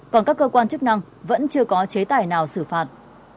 còn các cơ quan chức năng vẫn chưa có chế tài nào xử phạt